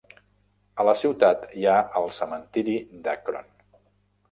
A la ciutat hi ha el cementiri d'Akron.